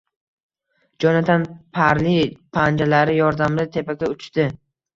Jonatan, parli panjalari yordamida tepaga uchdi